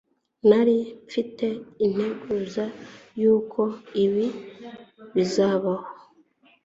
Nari mfite integuza yuko ibi bizabaho.